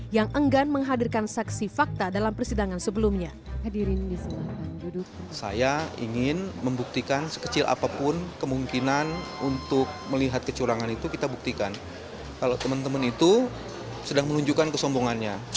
yang enggan menghadirkan saksi fakta dalam persidangan sebelumnya